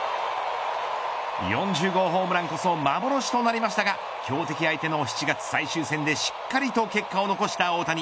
４０号ホームランこそ幻となりましたが、強敵相手の７月最終戦でしっかりと結果を残した大谷。